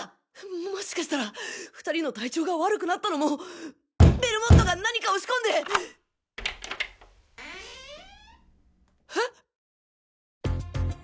もしかしたら２人の体調が悪くなったのもベルモットが何かを仕込んで。え！？